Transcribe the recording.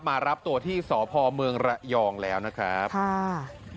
มารับตัวที่สพเมืองระยองแล้วนะครับค่ะ